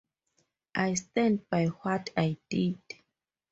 I stand by what I did.